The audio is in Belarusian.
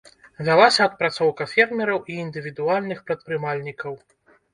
Вялася адпрацоўка фермераў і індывідуальных прадпрымальнікаў.